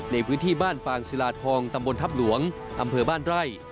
ในพื้นที่บ้านปางศิลาทองตำบลทัพหลวงอำเภอบ้านไร่